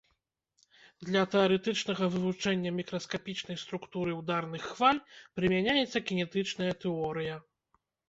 Для тэарэтычнага вывучэння мікраскапічнай структуры ўдарных хваль прымяняецца кінетычная тэорыя.